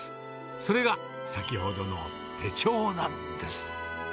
それが先ほどの手帳なんです。